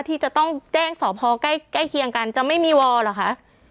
ที่จะต้องแจ้งสอบพอใกล้ใกล้เคียงกันจะไม่มีหรอคะ